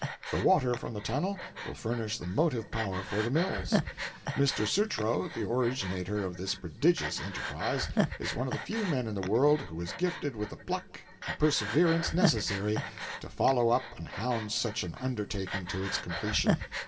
The water from the tunnel will furnish the motive power for the mills. Mr. Sutro, the originator of this prodigious enterprise, is one of the few men in the world who is gifted with the pluck and perseverance necessary to follow up and hound such an undertaking to its completion.